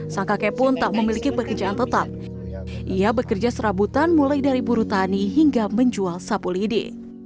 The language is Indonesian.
sang kakek pun tak memiliki pekerjaan tetap ia bekerja serabutan mulai dari buru tani hingga menjual sapu lidi